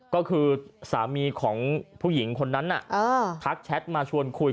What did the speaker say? ก็คือสามีของผู้หญิงคนนั้นทักแชทมาชวนคุย